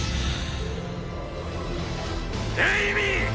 エイミー！